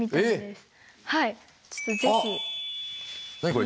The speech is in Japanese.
これ。